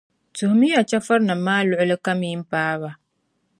Tuhimi ya chεfurinim’ maa luɣilikam yi ni paai ba